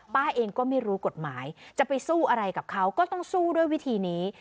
ป้าเองก็ไม่รู้กฎหมายจะไปสู้อะไรกับเขาก็ต้องสู้ด้วยวิธีนี้